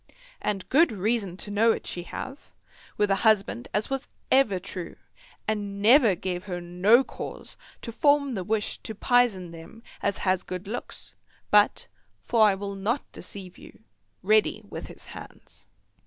And good reason to know it she have, with a husband as was ever true, and never gave her no cause to form the wish to pizen them as has good looks, but, for I will not deceive you, ready with his hands.